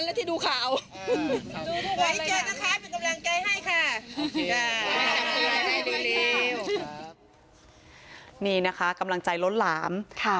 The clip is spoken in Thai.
ดีค่ะนี่นะคะกำลังใจล้นหลามค่ะ